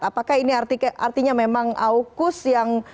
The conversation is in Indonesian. apakah ini artinya memang aukus yang